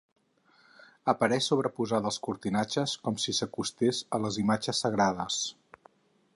Apareix sobreposada als cortinatges, com si s'acostés a les imatges sagrades.